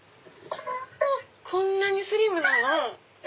こんなにスリムなの？